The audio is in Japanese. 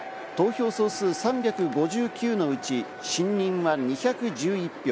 投票総数３５９のうち信任は２１１票。